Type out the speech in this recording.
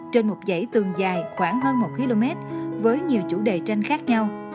trên một dãy tường dài khoảng hơn một km với nhiều chủ đề tranh khác nhau